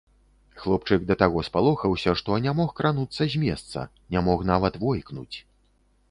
Хлопчык да таго спалохаўся, што не мог крануцца з месца, не мог нават войкнуць.